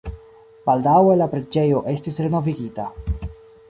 Baldaŭe la preĝejo estis renovigita.